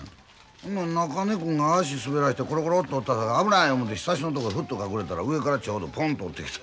中根君が足滑らいてコロコロッと落ちたから危ない思てひさしのとこへふっと隠れたら上からちょうどポンと落ちてきて。